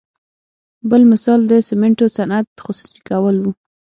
بل مثال د سمنټو صنعت خصوصي کول وو.